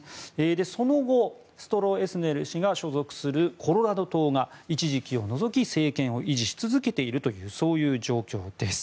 その後、ストロエスネル氏が所属するコロラド党が一時期を除き、政権を維持し続けている状況です。